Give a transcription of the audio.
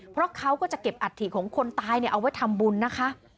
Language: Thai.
เพราะเขาก็จะเก็บอัฐิของคนตายเอาไว้ทำบุญนะคะ